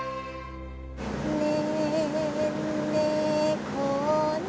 「ねんねこ」